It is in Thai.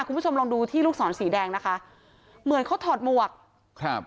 คุณผู้ชมลองดูที่ลูกศรสีแดงนะคะเหมือนเขาถอดหมวกครับ